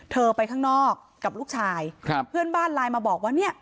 ไปข้างนอกกับลูกชายครับเพื่อนบ้านไลน์มาบอกว่าเนี่ย